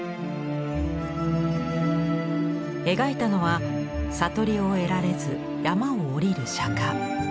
描いたのは悟りを得られず山を下りる釈。